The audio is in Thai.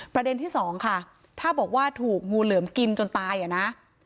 ประเด็นที่สองค่ะถ้าบอกว่าถูกงูเหลือมกินจนตายอ่ะนะ